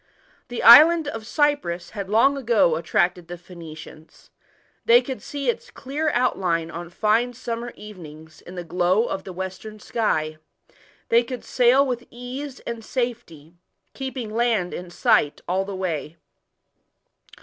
The island of Cyprus had long ago attracted the Phoenicians They could see its clear outline on fine summer evenings in the glow of the western sky ; they could sail with ease and safety, keeping land in sight all the way.